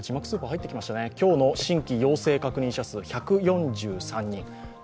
今日の新規陽性確認者数１４３人。